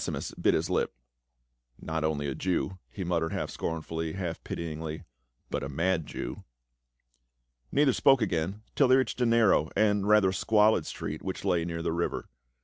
387 0n«5imus bit his lip. "Not only a Jew," he mut tered half scornfully, half pityingly, "but a mad Jew." Neither spoke again till they reached a narrow and rather squalid street which lay near the river.